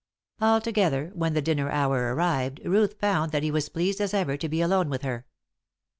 Altogether, when, the dinner hour arrived, Ruth found that he was as pleased as ever to be alone with her.